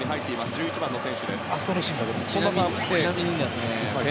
１１番の選手です。